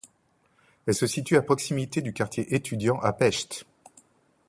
Elle se situe à proximité du quartier étudiant à Pest.